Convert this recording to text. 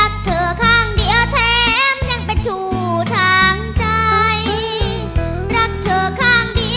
ขอบคุณครับ